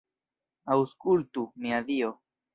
Aŭskultu, mia Dio.